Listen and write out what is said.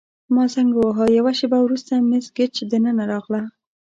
ما زنګ وواهه، یوه شیبه وروسته مس ګیج دننه راغله.